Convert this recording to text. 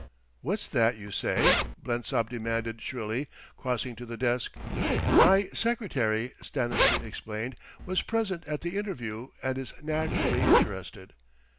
"What's that you say?" Blensop demanded shrilly, crossing to the desk. "My secretary," Stanistreet explained, "was present at the interview, and is naturally interested."